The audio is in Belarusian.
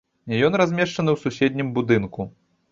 Ён размешчаны ў суседнім будынку.